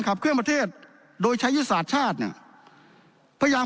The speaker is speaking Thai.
ขับเคลื่อนประเทศโดยใช้ยุทธศาสตร์ชาติเนี่ยพยายาม